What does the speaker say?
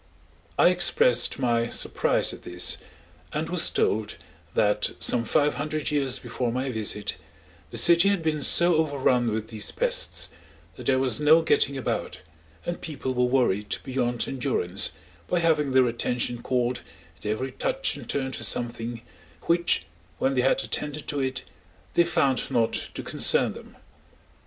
I expressed my surprise at this, and was told that some five hundred years before my visit, the city had been so overrun with these pests, that there was no getting about, and people were worried beyond endurance by having their attention called at every touch and turn to something, which, when they had attended to it, they found not to concern them.